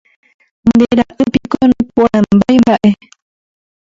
Nde ra'ýpiko noĩporãmbáimba'e